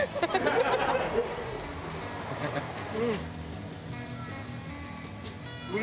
うん！